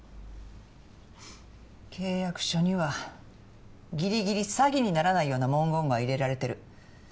契約書にはぎりぎり詐欺にならないような文言が入れられてる。